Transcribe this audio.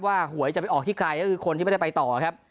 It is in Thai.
หวยจะไปออกที่ใครก็คือคนที่ไม่ได้ไปต่อครับ